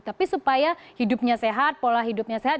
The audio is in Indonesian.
tapi supaya hidupnya sehat pola hidupnya sehat